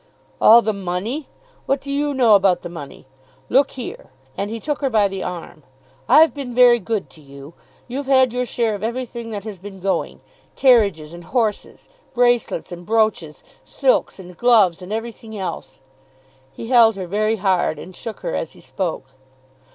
"All the money! What do you know about the money? Look here," and he took her by the arm. "I've been very good to you. You've had your share of everything that has been going; carriages and horses, bracelets and brooches, silks and gloves, and every thing else." He held her very hard and shook her as he spoke.